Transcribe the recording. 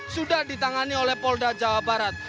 sudah ditangani oleh polda jawa barat